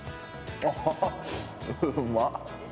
うまっ。